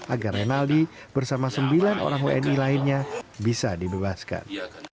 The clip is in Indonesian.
agar renaldi bersama sembilan orang wni lainnya bisa dibebaskan